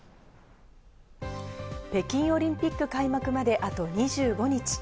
北京オリンピック開幕まであと２５日。